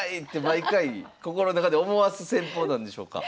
毎回心の中で思わす戦法なんでしょうか。